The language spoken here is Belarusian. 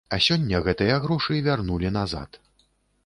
А сёння гэтыя грошы вярнулі назад.